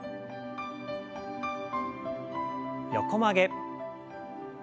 横曲げ。